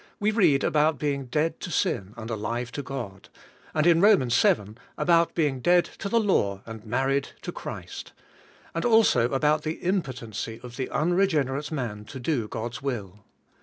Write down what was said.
we read about being dead to sin and alive to God, and in Romans vii., about being dead to the law and married to Christ, and also about the impotency of the unregenerate man to do God's will.